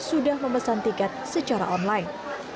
sudah memesan tiket secara online